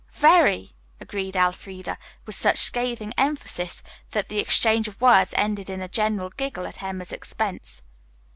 "Very!" agreed Elfreda, with such scathing emphasis that the exchange of words ended in a general giggle at Emma's expense.